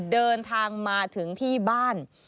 เดินทางมาถึงที่บ้าน